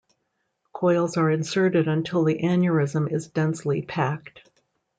Coils are inserted until the aneurysm is densely packed.